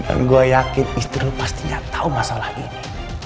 dan gue yakin istri lo pastinya tau masalah ini